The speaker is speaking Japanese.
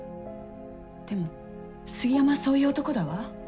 でも杉山はそういう男だわ。